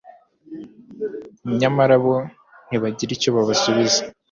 nyamara bo ntibagira icyo babasubiza